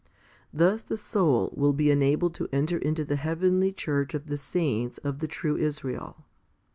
Thus the soul will be enabled to enter into the heavenly church of the saints of the true Israel.